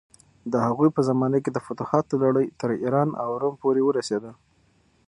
د هغوی په زمانه کې د فتوحاتو لړۍ تر ایران او روم پورې ورسېده.